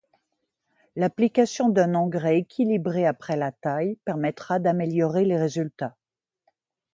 L'application d'un engrais équilibré après la taille permettra d'améliorer les résultats.